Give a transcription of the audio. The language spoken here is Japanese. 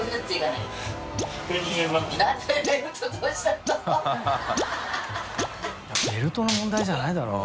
いやベルトの問題じゃないだろう。